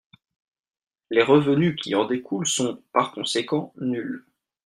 Les revenus qui en découlent sont, par conséquent, nuls.